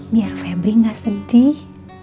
biar febri gak sedih